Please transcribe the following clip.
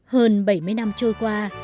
hơn bảy mươi năm trôi qua